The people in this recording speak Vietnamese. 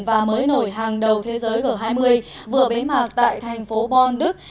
và mới nổi hàng đầu thế giới g hai mươi vừa bế mạc tại thành phố bon đức